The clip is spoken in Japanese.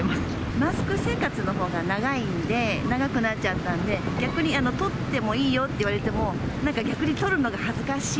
マスク生活のほうが長いんで、長くなっちゃったんで、逆に、取ってもいいよっていわれても、なんか逆に取るのが恥ずかしい。